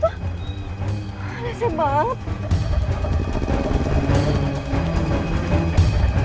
kawan wanita nakjab p pequeoutaggi